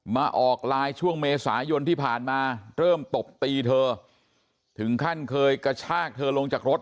มาออกไลน์ช่วงเมษายนที่ผ่านมาเริ่มตบตีเธอถึงขั้นเคยกระชากเธอลงจากรถ